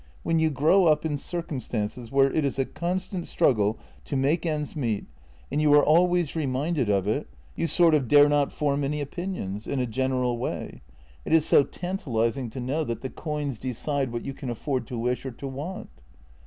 When you grow up in circumstances where it is a constant struggle to make ends meet, and you are always reminded of it, you sort of dare not form any opinions — in a general way — it is so tantalizing to JENNY 43 know that the coins decide what you can afford to wish or to want."